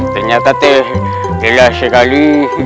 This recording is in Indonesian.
ternyata terlelah sekali